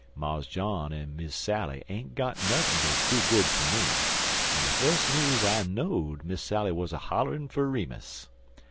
Mars John an' Miss Sally ain't got nuthin' dat's too good fer me, an' de fus news I know'd Miss Sally wuz a hollerin' fer Remus.